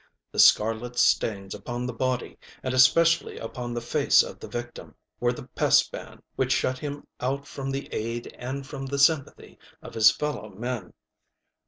The scarlet stains upon the body and especially upon the face of the victim, were the pest ban which shut him out from the aid and from the sympathy of his fellow men.